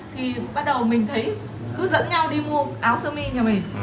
thì bắt đầu mình thấy cứ dẫn nhau đi mua áo sơ mi nhà mình